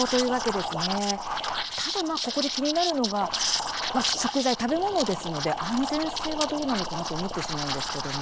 でも、ここで気になるのが食材、食べ物ですので安全性はどうなのかなと思ってしまいます。